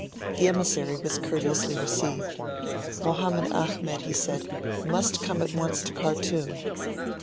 The emissary was courteously received. Mohammed Ahmed, he said, must come at once to Khartoum.